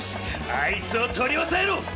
あいつをとりおさえろ！